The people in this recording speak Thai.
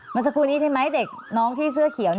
เมื่อสักครู่นี้ใช่ไหมเด็กน้องที่เสื้อเขียว